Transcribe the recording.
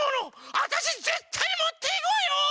わたしぜったいもっていくわよ！